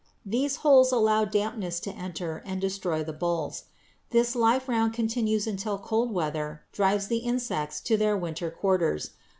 These holes allow dampness to enter and destroy the bolls. This life round continues until cold weather drives the insects to their winter quarters.